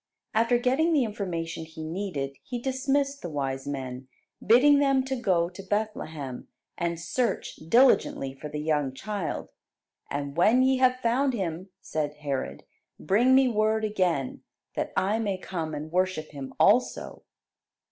After getting the information he needed, he dismissed the wise men, bidding them to go to Bethlehem "and search diligently for the young child; and when ye have found Him," said Herod, "bring me word again, that I may come and worship Him also."